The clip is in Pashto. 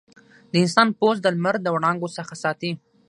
د انسان پوست د لمر د وړانګو څخه ساتي.